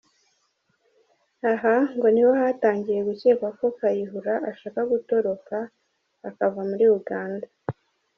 Aha ngo niho hatangiye gukekwa ko Kayihura ashaka gutoroka akavamuri Uganda.